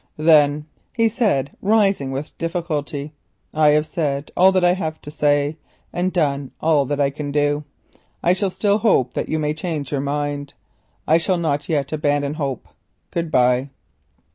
"Then," he said, rising with difficulty, "I have said all I have to say, and done all that I can do. I shall still hope that you may change your mind. I shall not yet abandon hope. Good bye."